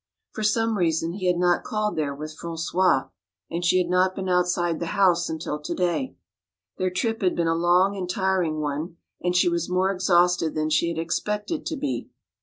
For some reason he had not called there with François and she had not been outside the house until today. Their trip had been a long and tiring one and she was more exhausted than she had expected to be.